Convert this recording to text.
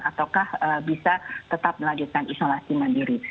ataukah bisa tetap melanjutkan isolasi mandiri